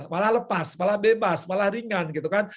malah lepas malah bebas malah ringan gitu kan